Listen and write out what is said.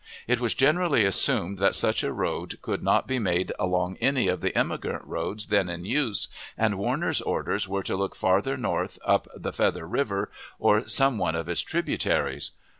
It was generally assumed that such a road could not be made along any of the immigrant roads then in use, and Warner's orders were to look farther north up the Feather River, or some one of its tributaries.